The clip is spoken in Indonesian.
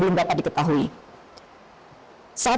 barang kiss altre jou tebangedsik nawan par near